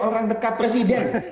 orang dekat presiden